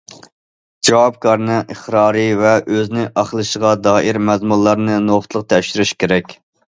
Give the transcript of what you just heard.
جاۋابكارنىڭ ئىقرارى ۋە ئۆزىنى ئاقلىشىغا دائىر مەزمۇنلارنى نۇقتىلىق تەكشۈرۈش كېرەك.